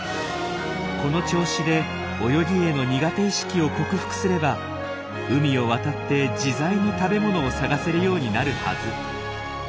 この調子で泳ぎへの苦手意識を克服すれば海を渡って自在に食べ物を探せるようになるはず。